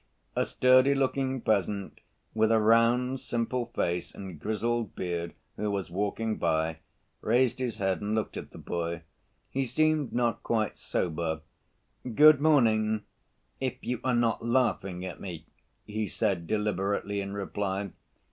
A sturdy‐looking peasant, with a round, simple face and grizzled beard, who was walking by, raised his head and looked at the boy. He seemed not quite sober. "Good morning, if you are not laughing at me," he said deliberately in reply.